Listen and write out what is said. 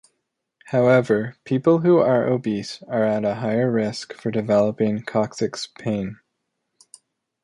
However, people who are obese are at a higher risk for developing coccyx pain.